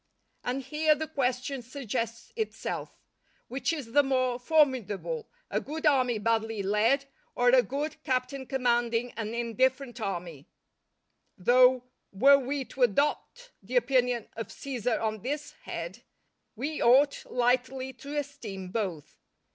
And here the question suggests itself: which is the more formidable, a good army badly led, or a good captain commanding an indifferent army; though, were we to adopt the opinion of Cæsar on this head, we ought lightly to esteem both.